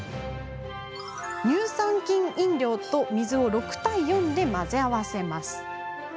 乳酸菌飲料と水を６対４で混ぜ合わせます。